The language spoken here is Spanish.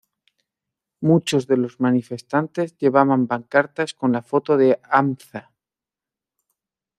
Muchos de los manifestantes llevaban pancartas con la foto de Hamza.